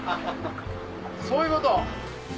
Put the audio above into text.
そういうこと。